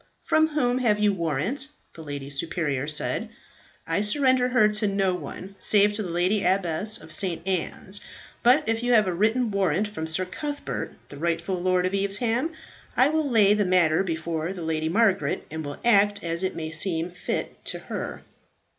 "From whom have you warrant?" the lady superior said. "I surrender her to no one, save to the lady abbess of St. Anne's. But if you have a written warrant from Sir Cuthbert, the rightful lord of Evesham, I will lay the matter before the Lady Margaret, and will act as it may seem fit to her."